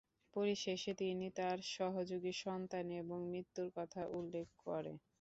পরিশেষে তিনি তার সহযোগী সন্তান এবং মৃত্যুর কথা উল্লেখ করেন।